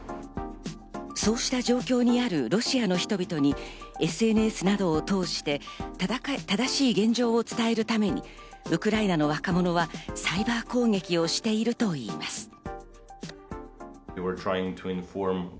そうした状況にあるロシアの人々にＳＮＳなどを通して、正しい現状を伝えるためにウクライナの若者はサイバー攻撃をしているといいます。